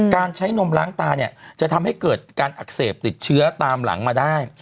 การใช้นมล้างตาเนี่ยจะทำให้เกิดการอักเสบติดเชื้อตามหลังมาได้